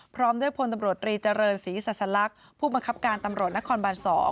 พร้อมด้วยพลตำรวจรีเจริญศรีสัสลักษณ์ผู้บังคับการตำรวจนครบาน๒